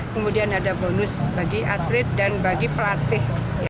kemudian ada bonus bagi atlet dan bagi pelatih